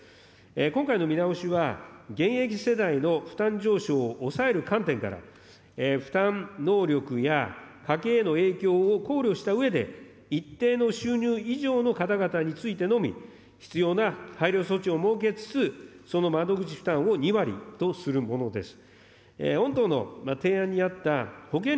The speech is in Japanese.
今回の見直しは、現役世代の負担上昇を抑える観点から、負担能力や家計への影響を考慮したうえで、一定の収入以上の方々についてのみ、必要な配慮措置を設けつつ、その窓口負担を２割とするものです。